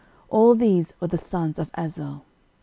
All these were the sons of Azel.